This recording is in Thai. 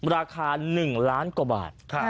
ราคา๑ล้านกว่าบาท